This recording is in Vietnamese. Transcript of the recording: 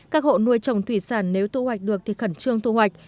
các hộ nuôi trồng thủy sản nếu tu hoạch được thì khẩn trương tu hoạch